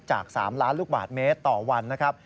จาก๓ล้านลูกบาทเมตรต่อวันนะครับ